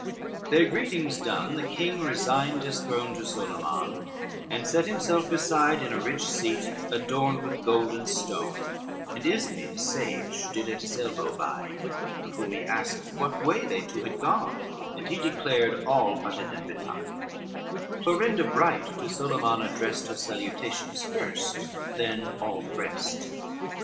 LIV Their greetings done, the king resigned his throne To Solyman, and set himself beside, In a rich seat adorned with gold and stone, And Ismen sage did at his elbow bide, Of whom he asked what way they two had gone, And he declared all what had them betide: Clorinda bright to Solyman addressed Her salutations first, then all the rest.